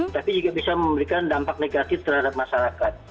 tapi juga bisa memberikan dampak negatif terhadap masyarakat